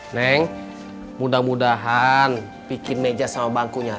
neng mudah mudahan bikin meja sama bangkunya